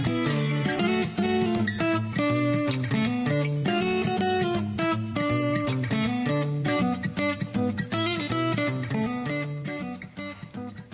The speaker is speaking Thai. คือเจ้าตูบก็แอบหันไปชำเรืองค่ะ